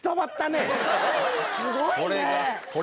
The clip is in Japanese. すごいね！